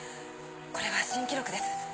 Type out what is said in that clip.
これは新記録です。